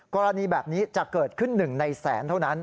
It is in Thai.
กรณีแบบนี้จะเกิดขึ้น๑ในแสนเท่านั้น